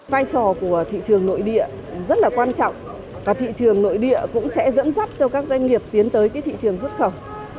vai trò của thị trường nội địa rất là quan trọng và thị trường nội địa cũng sẽ dẫn dắt cho các doanh nghiệp tiến tới thị trường xuất khẩu